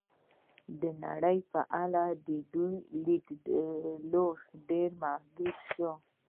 د نړۍ په اړه د دوی لید لوری ډېر محدود شو.